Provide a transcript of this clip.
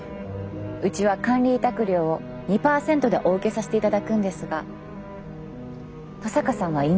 うちは管理委託料を２％でお受けさせていただくんですが登坂さんは今？